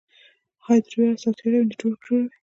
هارډویر او سافټویر یو نیټورک جوړوي.